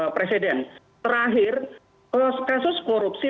presiden terakhir kasus korupsi